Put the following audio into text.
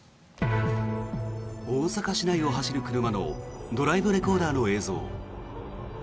大阪市内を走る車のドライブレコーダーの映像。